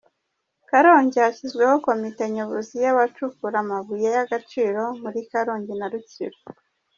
Karongi Hashyizweho komite nyobozi y’abacukura amabuye y’agaciro muri Karongi na Rutsiro